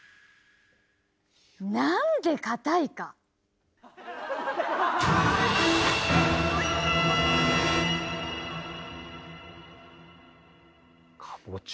なんで硬いか⁉かぼちゃ。